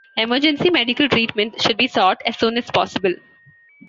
Emergency medical treatment should be sought as soon as possible.